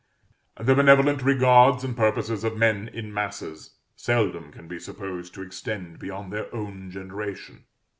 The benevolent regards and purposes of men in masses seldom can be supposed to extend beyond their own generation.